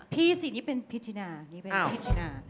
พี่สินี่เป็นพี่จิน่า